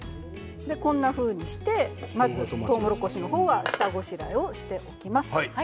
こんなふうにしてまずとうもろこしの方は下ごしらえをしておきます。